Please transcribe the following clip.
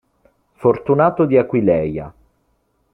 Fortunato di Aquileia